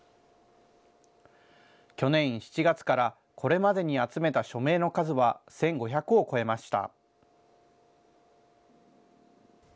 去年７月からこれまでに集めた署名の数は１５００を超えました。